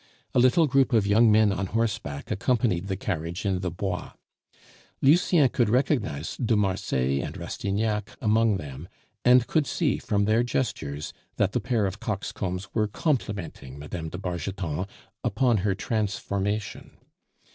A little group of young men on horseback accompanied the carriage in the Bois; Lucien could recognize de Marsay and Rastignac among them, and could see from their gestures that the pair of coxcombs were complimenting Mme. de Bargeton upon her transformation.